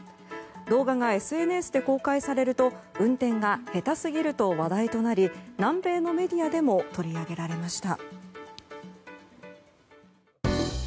動画がＳＮＳで公開されると運転が下手すぎると話題となり、南米のメディアでも取り上げられました。